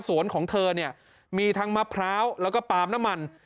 ของเธอเนี่ยมีทั้งมะพร้าวแล้วก็ปาล์มน้ำมัน